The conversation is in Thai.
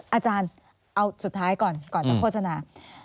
อาจารย์เอาสุดท้ายก่อนก่อนจะโฆษณา